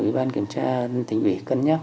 ủy ban kiểm tra tỉnh ủy cân nhắc